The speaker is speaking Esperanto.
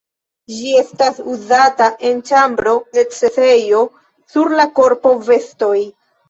Ĝi estas uzata en ĉambro, necesejo, sur la korpo, vestoj.